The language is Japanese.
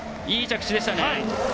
いい着地でしたね。